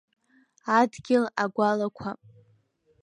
Адгьыл агәалақәа…